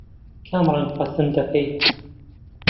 کام ڕەنگ پەسەند دەکەیت؟